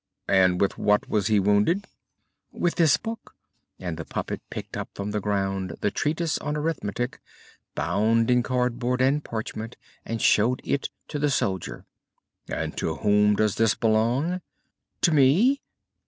"And with what was he wounded?" "With this book." And the puppet picked up from the ground the Treatise on Arithmetic, bound in cardboard and parchment, and showed it to the soldier. "And to whom does this belong?" "To me."